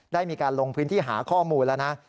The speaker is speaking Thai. ได้มีการลงพื้นที่หาข้อมูลแล้วนะ